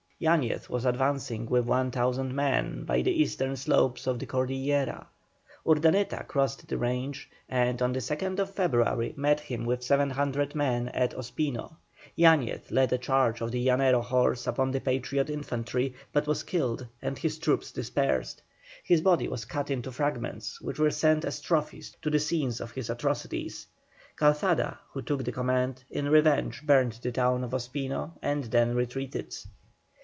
Yañez was advancing with 1,000 men by the eastern slopes of the Cordillera. Urdaneta crossed the range, and on the 2nd February met him with 700 men at Ospino. Yañez led a charge of the Llanero horse upon the Patriot infantry, but was killed, and his troops dispersed. His body was cut into fragments, which were sent as trophies to the scenes of his atrocities. Calzada, who took the command, in revenge burned the town of Ospino and then retreated.